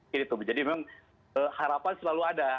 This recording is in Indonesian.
jadi memang harapan selalu ada